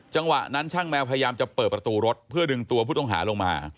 จังหวะนั้นช่างแมวพยายามจะเปิดประตูรถเพื่อดึงตัวผู้ต้องหาลงมา